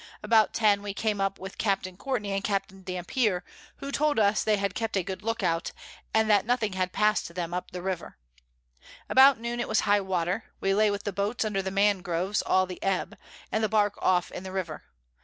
About 10 we came up with Capt. Courtney and Capt. Dampier, who told us they had kept a good Look out, and that nothing had pass'd them up the River. About Noon it was High water; we lay with the Boats under the Mangroves all the Ebb, and the Bark off in the River.